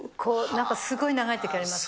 なんか、すごい長いときあります。